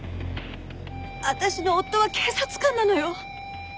私の夫は警察官なのよ。